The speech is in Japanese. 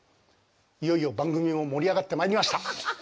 いよいよ番組も盛り上がってまいりました！